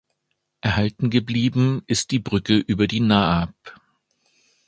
Erhalten geblieben ist die Brücke über die Naab.